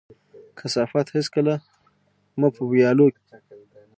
کثافات هيڅکله مه په ويالو،